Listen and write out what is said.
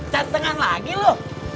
tentengan lagi lu